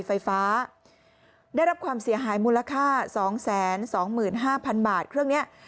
ไฟฟ้าได้รับความเสียหายมูลค่า๒๒๕๐๐๐บาทเครื่องนี้